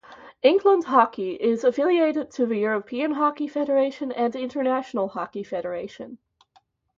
England Hockey is affiliated to the European Hockey Federation and International Hockey Federation.